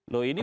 loh ini bu